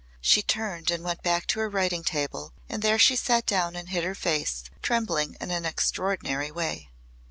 She turned and went back to her writing table and there she sat down and hid her face, trembling in an extraordinary way.